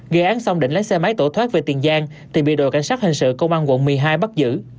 ghi án xong định lái xe máy tổ thoát về tiền giang thì bị đội cảnh sát hành sự công an quận một mươi hai bắt giữ